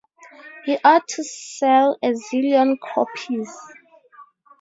He ought to sell a zillion copies.